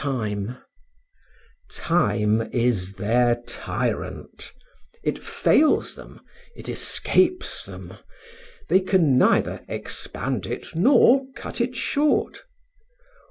Time is their tyrant: it fails them, it escapes them; they can neither expand it nor cut it short.